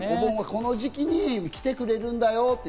この時期に来てくれるんだよと。